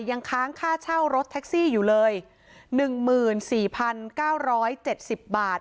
ยังค้างค่าเช่ารถเท็กซี่อยู่เลยหนึ่งหมื่นสี่พันเก้าร้อยเจ็ดสิบบาท